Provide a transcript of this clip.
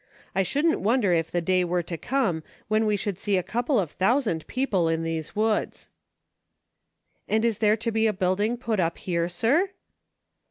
I shouldn't wonder if the day were to come when we should see a couple of thousand people in these woods." "And is there to be a building put up here, sir?"